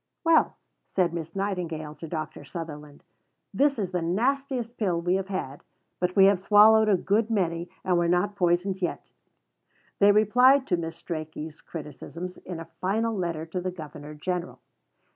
"Well," said Miss Nightingale to Dr. Sutherland, "this is the nastiest pill we have had, but we have swallowed a good many and we're not poisoned yet." They replied to Mr. Strachey's criticisms in a final letter to the Governor General.